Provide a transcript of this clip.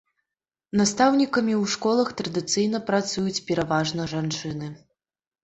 Настаўнікамі ў школах традыцыйна працуюць пераважны жанчыны.